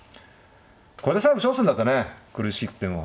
これで最後勝負するんだったね苦しくても。